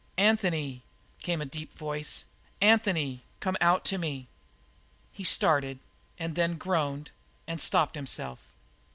"Anthony!" called a deep voice. "Anthony, come out to me!" He started, and then groaned and stopped himself.